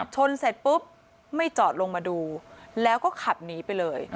เสร็จปุ๊บไม่จอดลงมาดูแล้วก็ขับหนีไปเลย